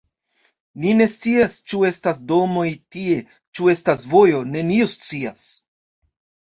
Ni ne scias, ĉu estas domoj tie, ĉu estas vojo. Neniu scias.